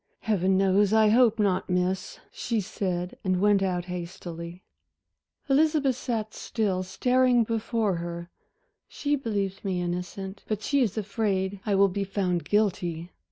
"Heaven knows I hope not, Miss," she said and went out hastily. Elizabeth sat still, staring before her. "She believes me innocent but she is afraid I will be found guilty."